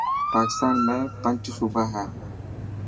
پاڪستان ۾ پنچ صوبا هي.